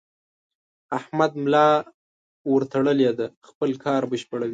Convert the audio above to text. احمد ملا ورته تړلې ده؛ خپل کار بشپړوي.